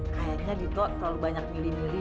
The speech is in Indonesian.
kayaknya dito terlalu banyak milih milih